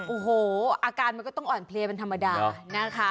โอ้โหอาการมันก็ต้องอ่อนเพลียเป็นธรรมดานะคะ